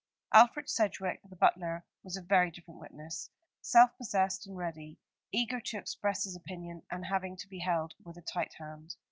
Alfred Sedgewick, the butler, was a very different witness self possessed and ready, eager to express his opinion, and having to be held with a tight hand.